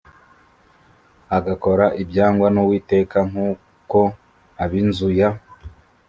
agakora ibyangwa n uwiteka nk uko ab inzu ya